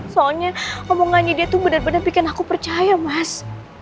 soalnya omongannya dia tuh bener bener bikin aku percaya mas